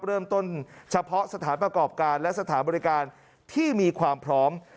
เริ่มต้นเฉพาะสถานประกอบการและสถานบริการที่มีความพร้อม